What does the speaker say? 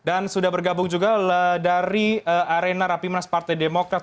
dan sudah bergabung juga dari arena rapi mas partai demokrat